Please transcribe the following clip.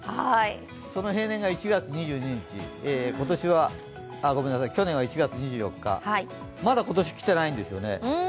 その平年が１月２２日、去年は１月２４日まだ今年、来てないんですよね。